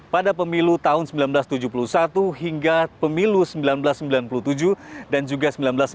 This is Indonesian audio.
pada pemilu tahun seribu sembilan ratus tujuh puluh satu hingga pemilu seribu sembilan ratus sembilan puluh tujuh dan juga seribu sembilan ratus sembilan puluh